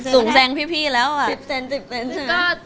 สูงแซงพี่แล้วอะ